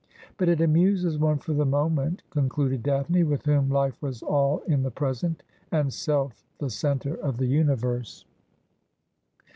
But it amuses one for the moment,' concluded Daphne, with whom life was all in the present, and self the centre of the universe.